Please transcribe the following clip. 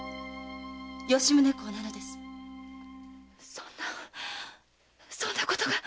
そんなそんなことが。